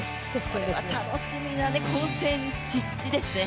これは楽しみな混戦必至ですね。